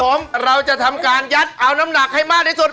ผมเราจะทำการยัดเอาน้ำหนักให้มากที่สุด